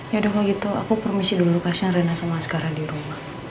yaudah kalau gitu aku permisi dulu kasihan rena sama askara di rumah